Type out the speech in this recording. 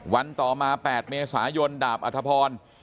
วันต่อมา๘เมษายนดาบอัธพร